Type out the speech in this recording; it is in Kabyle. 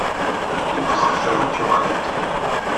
Yewweḍ ɣer Tawat yuɣal-d.